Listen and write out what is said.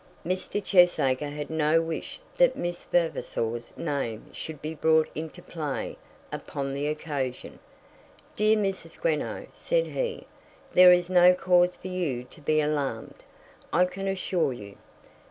Mr. Cheesacre had no wish that Miss Vavasor's name should be brought into play upon the occasion. "Dear Mrs. Greenow," said he, "there is no cause for you to be alarmed, I can assure you.